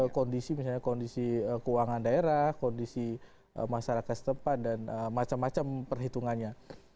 kondisi misalnya kondisi keuangan daerah kondisi masyarakat setempat dan macam macam perhitungannya